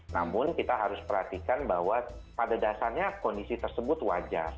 namun kita harus perhatikan bahwa pada dasarnya kondisi tersebut wajar